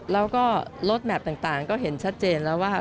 แล้วก็ลดแมพต่างก็เห็นชัดเจนแล้วว่า